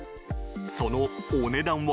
そのお値段は。